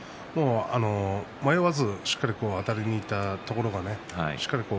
迷わずしっかりあたりにいったところがよかったですね。